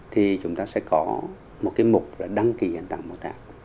thì chúng ta sẽ có một cái mục đăng ký hiện tại mô tả